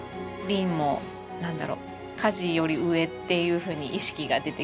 鈴も何だろうカジより上っていうふうに意識が出てきて。